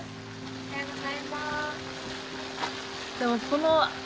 おはようございます。